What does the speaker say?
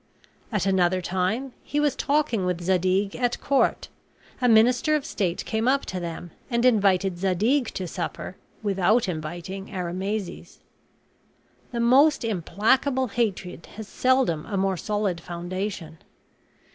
At another time, as he was talking with Zadig at court, a minister of state came up to them, and invited Zadig to supper without inviting Arimazes. The most implacable hatred has seldom a more solid foundation.